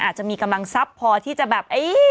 อาจจะมีกำลังทรัพย์พอที่จะแบบ